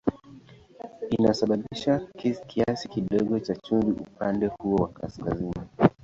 Inasababisha kiasi kidogo cha chumvi upande huo wa kaskazini.